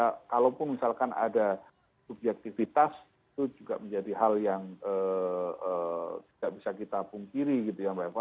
karena kalaupun misalkan ada subjektivitas itu juga menjadi hal yang tidak bisa kita pungkiri gitu ya mbak eva